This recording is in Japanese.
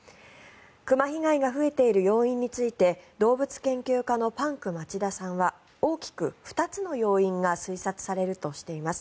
熊被害が増えている要因について動物研究家のパンク町田さんは大きく２つの要因が推察されるとしています。